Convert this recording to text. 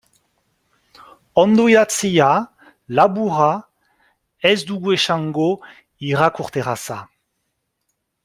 Ondo idatzia, laburra, ez dugu esango irakurterraza.